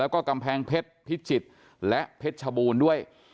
แล้วก็กำแพงเพชรพิจิตรและเพชรชบูรณ์ด้วย